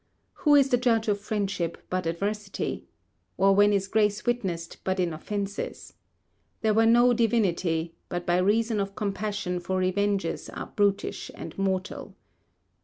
Who is the judge of friendship, but adversity? or when is grace witnessed, but in offences? There were no divinity, but by reason of compassion for revenges are brutish and mortal.